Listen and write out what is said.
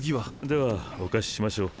ではお貸ししましょう。